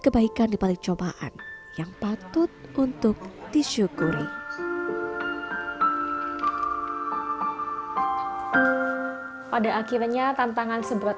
kebaikan di balik cobaan yang patut untuk disyukuri pada akhirnya tantangan seberat